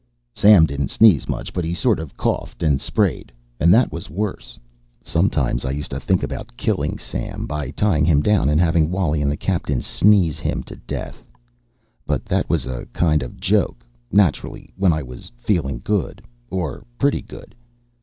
Sam didn't sneeze much, but he sort of coughed and sprayed, and that was worse. Sometimes I used to think about killing Sam by tying him down and having Wally and the captain sneeze him to death. But that was a kind of a joke, naturally, when I was feeling good. Or pretty good.